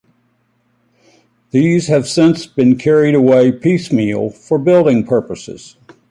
These have since been carried away piecemeal for building purposes.